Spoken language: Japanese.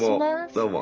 どうも。